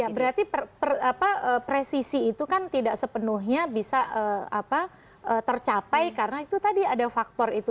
ya berarti presisi itu kan tidak sepenuhnya bisa tercapai karena itu tadi ada faktor itu